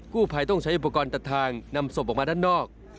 ผู้ภัยต้องใช้อุปกรณ์ตัดทางนำศพออกมาด้านนอก